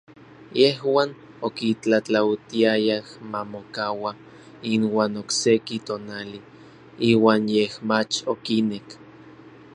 Yejuan okitlatlautiayaj ma mokaua inuan okseki tonali, iuan yej mach okinek.